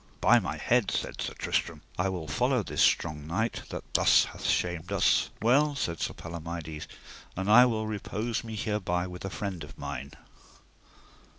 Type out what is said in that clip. By my head, said Sir Tristram, I will follow this strong knight that thus hath shamed us. Well, said Sir Palomides, and I will repose me hereby with a friend of mine.